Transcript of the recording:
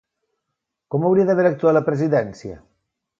Com hauria d'haver actuat la presidència?